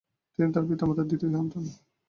তিনি তার পিতামাতার দ্বিতীয় সন্তান।